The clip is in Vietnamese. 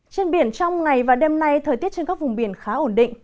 trên biển trong ngày và đêm nay thời tiết trên các vùng biển khá ổn định